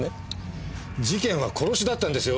事件は殺しだったんですよ。